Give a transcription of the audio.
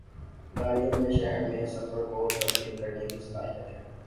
گاڑیوں میں شہر میں سفر کو تبدیل کرنے کی صلاحیت ہے